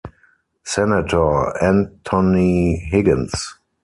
Senator Anthony Higgins.